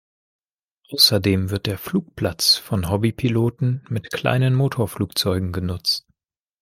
Außerdem wird der Flugplatz von Hobby-Piloten mit kleinen Motorflugzeugen genutzt.